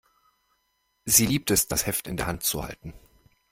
Sie liebt es, das Heft in der Hand zu halten.